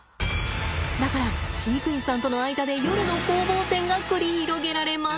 だから飼育員さんとの間で夜の攻防戦が繰り広げられます。